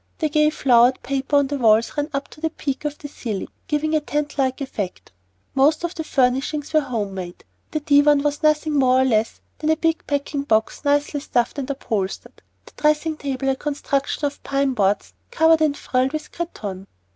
The gay flowered paper on the walls ran up to the peak of the ceiling, giving a tent like effect. Most of the furnishings were home made. The divan was nothing more or less than a big packing box nicely stuffed and upholstered; the dressing table, a construction of pine boards covered and frilled with cretonne.